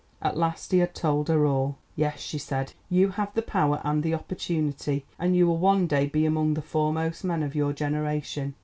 At last he had told her all. "Yes," she said, "you have the power and the opportunity, and you will one day be among the foremost men of your generation."